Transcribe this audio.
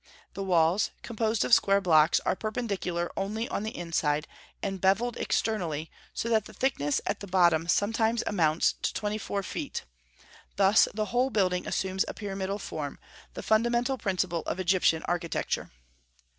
The walls, composed of square blocks, are perpendicular only on the inside, and bevelled externally, so that the thickness at the bottom sometimes amounts to twenty four feet; thus the whole building assumes a pyramidal form, the fundamental principle of Egyptian architecture.